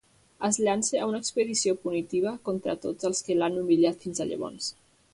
Es llança a una expedició punitiva contra tots els que l'han humiliat fins llavors.